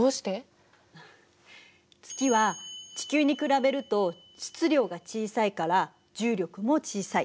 月は地球に比べると質量が小さいから重力も小さい。